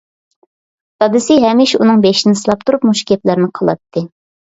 دادىسى ھەمىشە ئۇنىڭ بېشىنى سىلاپ تۇرۇپ مۇشۇ گەپلەرنى قىلاتتى.